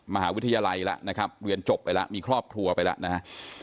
มหาวิทยาลัยแล้วนะครับเรียนจบไปแล้วมีครอบครัวไปแล้วนะฮะ